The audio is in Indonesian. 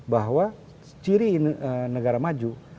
bahwa ciri negara maju